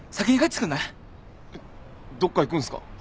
えっどっか行くんすか？